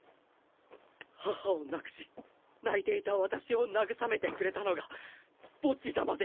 母を亡くし泣いていた私を慰めてくれたのがボッジ様でした。